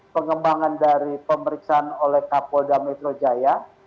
pengembangan dari pemeriksaan oleh kapolda metro jaya